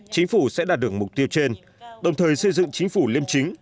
chính phủ sẽ đạt được mục tiêu trên đồng thời xây dựng chính phủ liêm chính